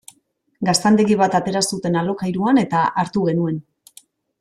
Gaztandegi bat atera zuten alokairuan eta hartu genuen.